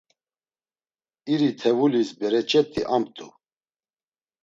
İritevulis bereçet̆i amt̆u.